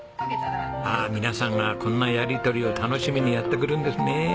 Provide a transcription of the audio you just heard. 皆さんがこんなやり取りを楽しみにやって来るんですね。